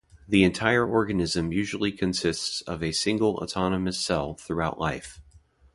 The entire organism usually consists of a single autonomous cell throughout life.